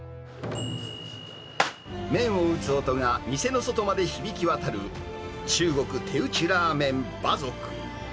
麺を打つ音が店の外まで響き渡る、中国手打拉麺馬賊。